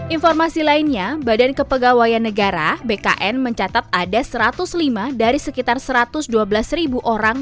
informasi lainnya badan kepegawaian negara bkn mencatat ada satu ratus lima dari sekitar satu ratus dua belas ribu orang